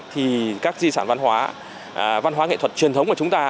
thì các di sản văn hóa văn hóa nghệ thuật truyền thống của chúng ta